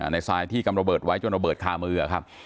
ทรายที่กำระเบิดไว้จนระเบิดคามือครับ